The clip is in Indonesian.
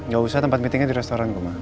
gak usah tempat meetingnya di restoran gue ma